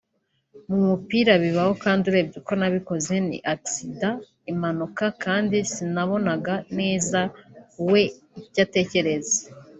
mu mupira bibaho kandi urebye uko nabikoze ni accident(impanuka) kandi sinabonaga neza we icyatekereza